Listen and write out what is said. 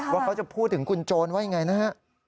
ว่าเขาจะพูดถึงคุณโจรว่ายังไงนะฮะ